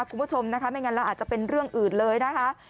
คุณผู้ชมนะคะไม่งั้นแล้วอาจจะเป็นเรื่องอื่นเลยนะคะ